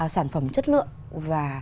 sản phẩm chất lượng và